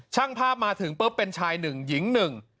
ช่างภาพมาถึงเป็นชาย๑หญิง๑